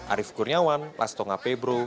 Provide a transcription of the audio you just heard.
arief kurniawan las tonga pebro